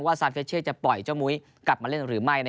ซานเฟชเช่จะปล่อยเจ้ามุ้ยกลับมาเล่นหรือไม่